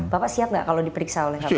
bapak siap nggak kalau diperiksa oleh kpk